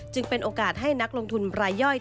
จึงเป็นโอกาสให้นักลงทุนไบร่อย